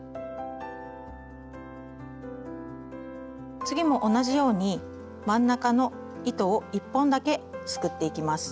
次も同じように真ん中の糸を１本だけすくっていきます。